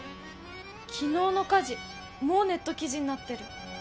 昨日の火事もうネット記事になってる。